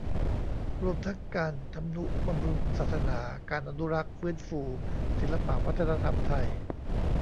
รวมทั้งการทำนุบำรุงศาสนา การอนุรักษ์ ฟื้นฟู ศิลปวัฒนธรรมไทย